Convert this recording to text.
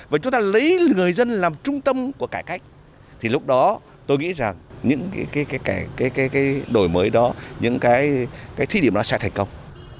và chúng ta lấy người dân làm trung tâm của cải cách thì lúc đó tôi nghĩ rằng những đổi mới đó những cái thí điểm đó sẽ thành công